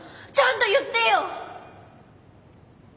ちゃんと言ってよ！